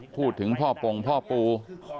พูดถึงพ่อปงพ่อปู